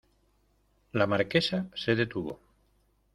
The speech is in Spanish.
la Marquesa se detuvo.